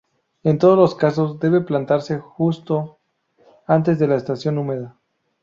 En todos los casos, debe plantarse justo antes de la estación húmeda.